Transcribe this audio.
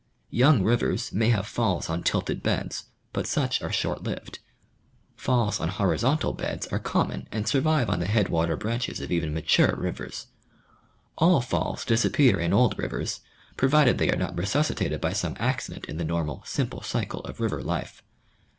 Young rivers may have falls on tilted beds, but such are short lived. Falls on horizontal beds are common and survive on the headwater branches of even mature rivers. All falls disappear in old rivers, provided they are not resuscitated by some accident in the normal, simple cycle of river life.